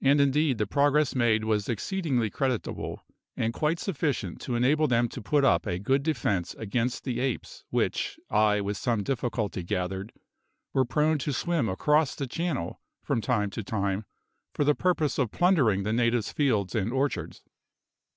And indeed the progress made was exceedingly creditable, and quite sufficient to enable them to put up a good defence against the apes which, I with some difficulty gathered, were prone to swim across the channel, from time to time, for the purpose of plundering the natives' fields and orchards.